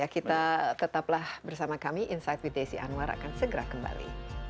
kita tetaplah bersama kami insight with desi anwar akan segera kembali